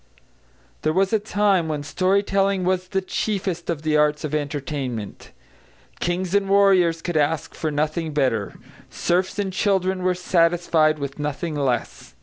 There was a time when story telling was the chiefest of the arts of entertainment; kings and warriors could ask for nothing better; serfs and children were satisfied with nothing less.